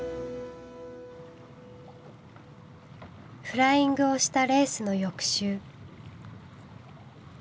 フライングをしたレースの翌週。